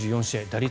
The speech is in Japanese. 打率